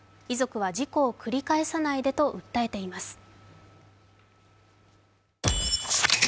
遺族は事故を繰り返さないでと訴えています。